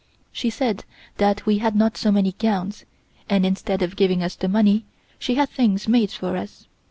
She said that we had not so many gowns, and instead of giving us the money, she had things made for us.